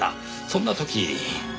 そんな時。